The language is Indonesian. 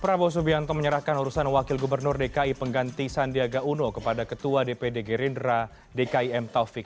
prabowo subianto menyerahkan urusan wakil gubernur dki pengganti sandiaga uno kepada ketua dpd gerindra dki m taufik